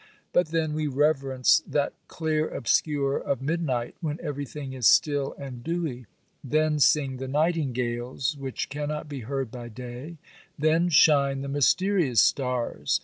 But then we reverence that clear obscure of midnight, when everything is still and dewy—then sing the nightingales which cannot be heard by day—then shine the mysterious stars.